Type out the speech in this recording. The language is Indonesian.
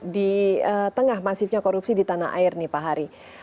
di tengah masifnya korupsi di tanah air nih pak hari